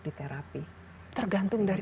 diterapi tergantung dari